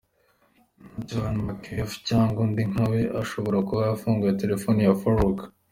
John McAfee, cyangwa undi nka we ashobora kuba yarafunguye telefoni ya Farook.